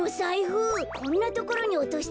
こんなところにおとしてたんだ。